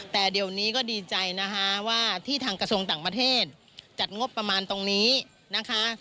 แต่เดี๋ยวนี้ก็ดีใจนะคะว่าที่ทางกระทรวงต่างประเทศจัดงบประมาณตรงนี้นะคะ